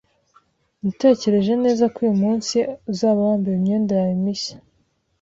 Natekereje neza ko uyu munsi uzaba wambaye imyenda yawe mishya.